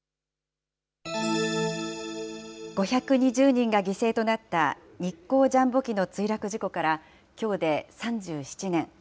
５２０人が犠牲となった日航ジャンボ機の墜落事故からきょうで３７年。